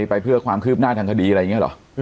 ไปเพื่อความคืบหน้าทางคดีอะไรอย่างนี้เหรอ